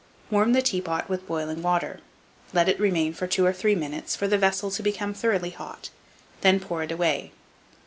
Warm the teapot with boiling water; let it remain for two or three minutes for the vessel to become thoroughly hot, then pour it away.